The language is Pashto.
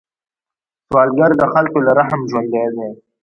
سوالګر د خلکو له رحم ژوندی دی